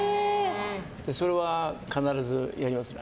それは必ずやりますね。